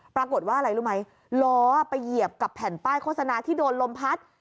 ปรากฏว่าอะไรรู้ไหมล้อไปเหยียบกับแผ่นป้ายโฆษณาที่โดนลมพัด